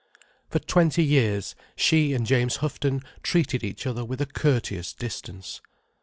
For twenty years, she and James Houghton treated each other with a courteous distance.